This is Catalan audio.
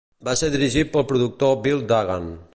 Va ser dirigit pel productor Bill Dugan.